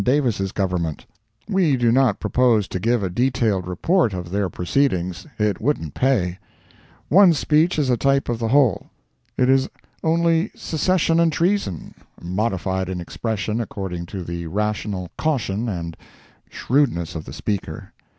Davis' Government. We do not propose to give a detailed report of their proceedings; it wouldn't pay. One speech is a type of the whole. It is only Secession and Treason, modified in expression according to the rational caution and shrewdness of the speaker.